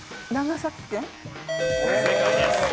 正解です。